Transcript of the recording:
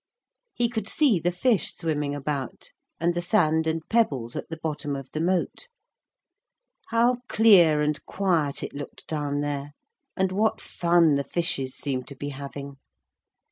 He could see the fish swimming about, and the sand and pebbles at the bottom of the moat. How clear and quiet it looked down there, and what fun the fishes seemed to be having.